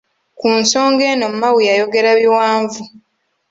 Ku nsonga eno Mao yayogera biwanvu.